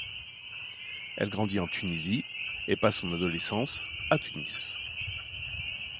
Elle grandit en Tunisie, et passe son adolescence à Tunis.